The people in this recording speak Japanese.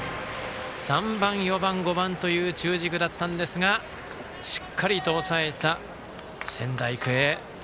３番、４番、５番という中軸だったんですがしっかりと抑えた仙台育英。